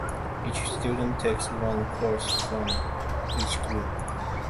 Each student takes one course from each group.